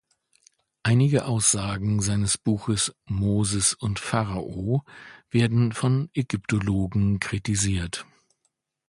Einige Aussagen seines Buches "Moses und Pharao" werden von Ägyptologen kritisiert.